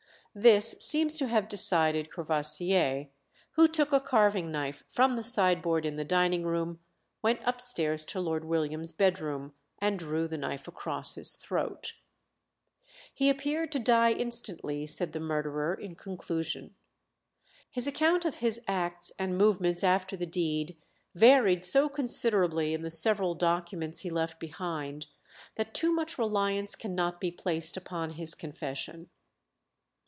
This seems to have decided Courvoisier, who took a carving knife from the sideboard in the dining room, went upstairs to Lord William's bed room, and drew the knife across his throat. "He appeared to die instantly," said the murderer, in conclusion. His account of his acts and movements after the deed varied so considerably in the several documents he left behind, that too much reliance cannot be placed upon his confession.